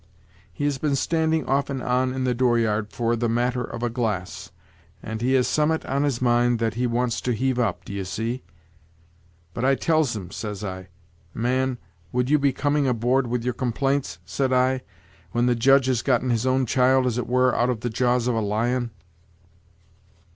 "He has been standing off and on in the door yard for the matter of a glass; and he has summat on his mind that he wants to heave up, d'ye see; but I tells him, says I, man, would you be coming aboard with your complaints, said I, when the judge has gotten his own child, as it were, out of the jaws of a lion?